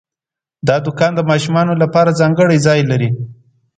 دا دوکان د ماشومانو لپاره ځانګړی ځای لري.